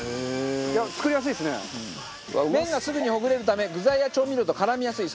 麺がすぐにほぐれるため具材や調味料と絡みやすい。